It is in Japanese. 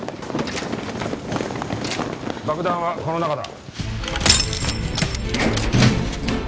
爆弾はこの中だ。